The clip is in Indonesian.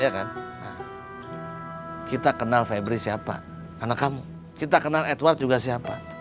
ya kan kita kenal febri siapa anak kamu kita kenal edward juga siapa